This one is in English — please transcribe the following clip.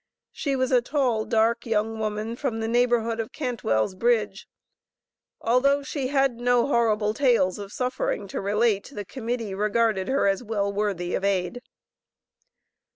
She was a tall, dark, young woman, from the neighborhood of Cantwell's Bridge. Although she had no horrible tales of suffering to relate, the Committee regarded her as well worthy of aid.